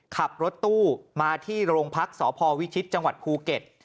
ขับรถตู้มาที่โรงพักษพวิชิตจังหวัดภูเก็ต